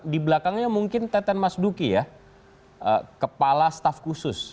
di belakangnya mungkin teten mas duki ya kepala staf khusus